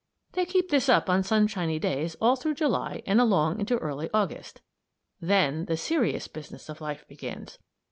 They keep this up on sunshiny days all through July and along into early August. Then the serious business of life begins.